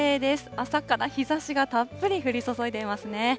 朝から日ざしがたっぷり降り注いでいますね。